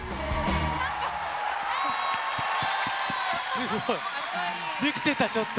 すごい。できてた、ちょっと。